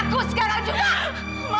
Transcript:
ngaku sekarang juga